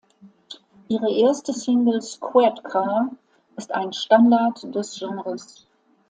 Ihre erste Single "Squad Car" ist ein Standard des Genres.